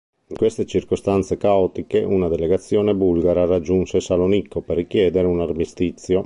In queste circostanze caotiche una delegazione bulgara raggiunse Salonicco per richiedere un armistizio.